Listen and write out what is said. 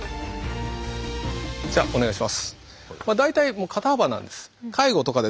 じゃあお願いします。